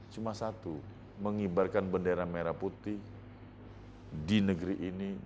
cuma satu mengibarkan bendera merah putih di negeri ini